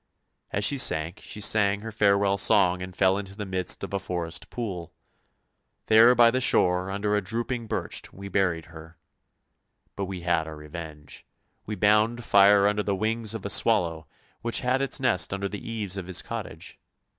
As she sank she sang her farewell song and fell into the midst of a forest pool. There by the shore under a drooping birch we buried her; but we had our revenge; we bound fire under the wings of a swallow which had its nest under eaves of his cottage.